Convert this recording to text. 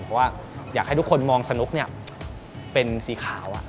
เพราะว่าอยากให้ทุกคนมองสนุกเป็นสีขาว